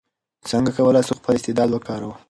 څنګه کولای سو خپل استعداد وکاروو؟